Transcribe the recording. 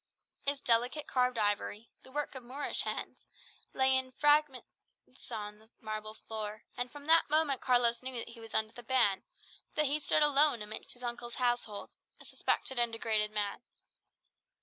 Its delicate carved ivory, the work of Moorish hands, lay in fragments on the marble floor; and from that moment Carlos knew that he was under the ban, that he stood alone amidst his uncle's household a suspected and degraded man.